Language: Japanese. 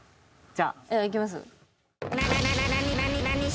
じゃあ。いきます？